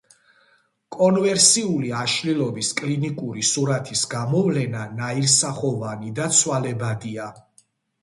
კონვერსიული აშლილობის კლინიკური სურათის გამოვლენა ნაირსახოვანი და ცვალებადია.